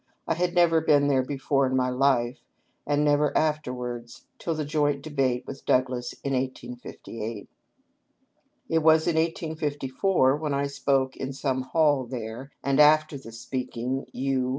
I had never been there before in my life ; and never afterwards, till the joint debate with Douglas in 1858. It was in 1854, when I spoke in some hall there, and after the speaking you.